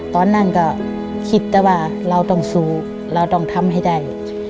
ตอนนั้นก็คิดแต่ว่าเราต้องสู้เราต้องทำให้ได้